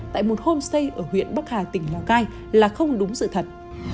tại một homestay ở huyện bắc hà tỉnh lào cai là không đúng sự thật